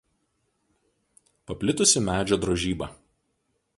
Paplitusi medžio drožyba.